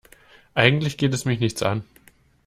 Eigentlich geht es mich nichts an.